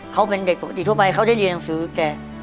เขาเป็นเด็กปกติทั่วไปเขาได้เรียนหนังสือแก